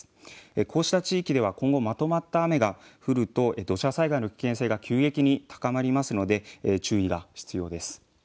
こうした地域では今後まとまった雨が降ると土砂災害の危険性が急激に高まりますので注意が必要です。